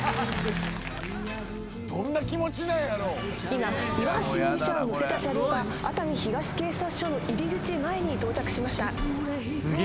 今岩橋容疑者を乗せた車両が熱海東警察署の入り口前に到着しました。